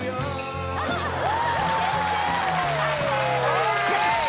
ＯＫ！